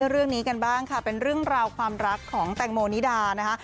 เรื่องนี้กันบ้างค่ะเป็นเรื่องราวความรักของแตงโมนิดานะคะ